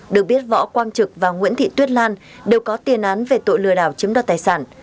được biết võ quang trực và nguyễn thị tuyết lan đều có tiền án về tội lừa đảo chiếm đoạt tài sản